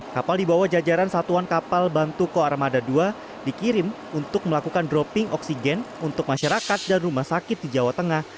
kapal di bawah jajaran satuan kapal bantu koarmada ii dikirim untuk melakukan dropping oksigen untuk masyarakat dan rumah sakit di jawa tengah